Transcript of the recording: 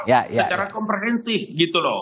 secara komprehensif gitu loh